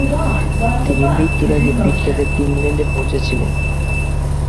তিনি মৃত্যুর আগে পিটকে দেখতে ইংল্যান্ডে পৌঁছেছিলেন।